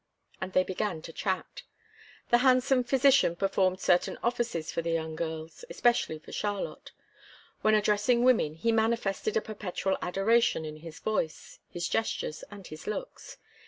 And they began to chat. The handsome physician performed certain offices for the young girls, especially for Charlotte. When addressing women, he manifested a perpetual adoration in his voice, his gestures, and his looks.